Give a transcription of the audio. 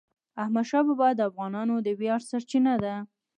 احمدشاه بابا د افغانانو د ویاړ سرچینه ده.